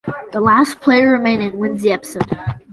The last player remaining wins the episode.